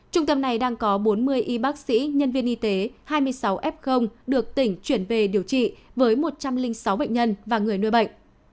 trung tâm này đang có bốn mươi y bác sĩ nhân viên y tế hai mươi sáu f được tỉnh chuyển về điều trị với một trăm linh sáu bệnh nhân và người nuôi bệnh